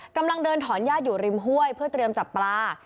กำลังเดินถอนญาติอยู่ริมห้วยเพื่อเตรียมจับปลา